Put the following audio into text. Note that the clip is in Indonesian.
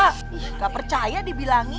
ih nggak percaya dibilangin